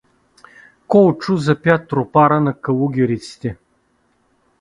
Колчо запя тропара на калугериците.